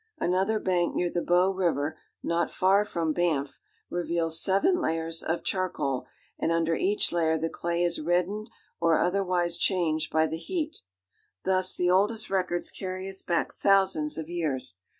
Another bank near the Bow River, not far from Banff, reveals seven layers of charcoal, and under each layer the clay is reddened or otherwise changed by the heat. Thus the oldest records carry us back thousands of years.